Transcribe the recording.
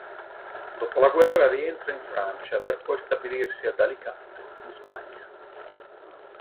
Dopo la guerra rientra in Francia per poi stabilirsi ad Alicante in Spagna.